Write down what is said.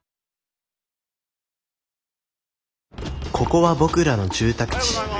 ここは僕らの住宅地。